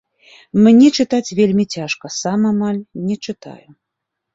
Мне чытаць вельмі цяжка, сам амаль не чытаю.